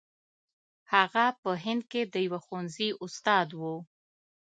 هغه په هند کې د یوه پوهنځي استاد وو.